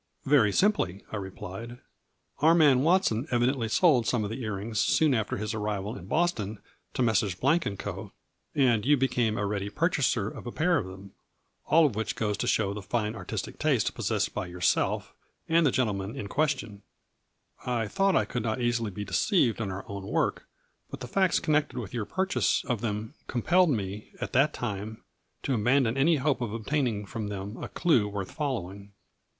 " Very simply," I replied, " our man Watson evidently sold some of the ear rings soon after his arrival in Boston to Messieurs Blank & Co., and you became a ready purchaser of a pair of them, all of which goes to show the fine artistic taste possessed by yourself and the gentlemen 216 A FLURRY IN DIAMONDS. in question. I thought I could not easily be deceived in our own work, but the facts con nected with your purchase of them compelled me, at that time, to abandon any hope of ob taining from them a clue worth following.